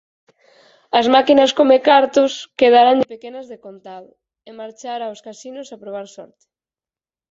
As máquinas comecartos quedáranlle pequenas decontado e marchara aos casinos a probar sorte.